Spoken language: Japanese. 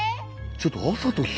ちょっと朝と昼。